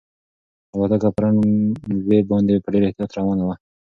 الوتکه په رن وې باندې په ډېر احتیاط روانه وه.